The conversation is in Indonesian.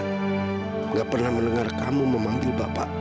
tidak pernah mendengar kamu memanggil bapak